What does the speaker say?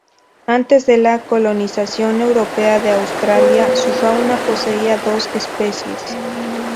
Antes de la colonización europea de Australia, su fauna poseía dos especies.